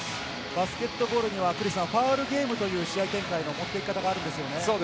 バスケットボールにはファウルゲームという試合展開の持って行き方があるんですよね。